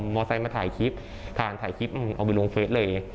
มอไซค์มาถ่ายคลิปถ่ายคลิปเอาไปลงเฟซเลย